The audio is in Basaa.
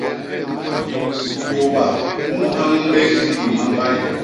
Yôba u nhañ bé i ñgim mambay.